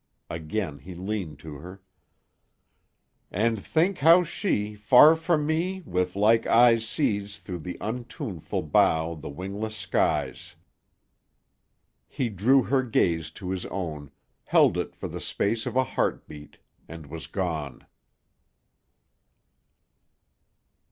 Again he leaned to her: "'And think how she, far from me, with like eyes Sees, through the untuneful bough the wingless skies.'" He drew her gaze to his own, held it for the space of a heart beat, and was gone.